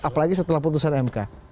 apalagi setelah putusan mk